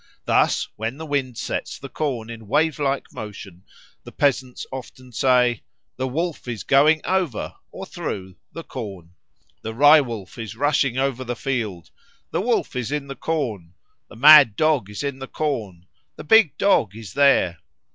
Thus, when the wind sets the corn in wave like motion the peasants often say, "The Wolf is going over, or through, the corn," "the Rye wolf is rushing over the field," "the Wolf is in the corn," "the mad Dog is in the corn," "the big Dog is there."